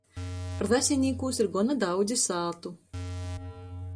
Rasinīkūs ir gona daudzi sātu.